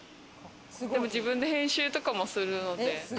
自分で編集とかもするので。